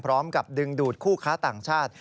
พร้อมกับดึงดูดคู่ค้าต่างชาติ